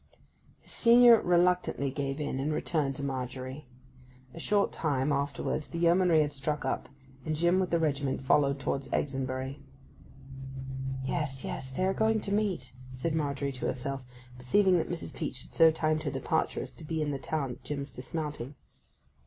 His senior reluctantly gave in and returned to Margery. A short time afterwards the Yeomanry hand struck up, and Jim with the regiment followed towards Exonbury. 'Yes, yes; they are going to meet,' said Margery to herself, perceiving that Mrs. Peach had so timed her departure as to be in the town at Jim's dismounting.